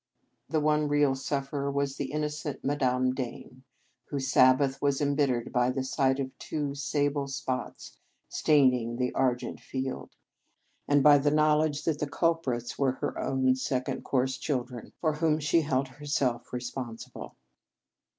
The one real sufferer was the inno cent Madame Dane, whose Sabbath was embittered by the sight of two sable spots staining the argent field, and by the knowledge that the culprits were her own Second Cours children, for whom she held herself responsible.